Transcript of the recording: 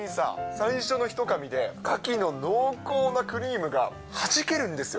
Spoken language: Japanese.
最初の一かみでカキの濃厚なクリームがはじけるんですよ。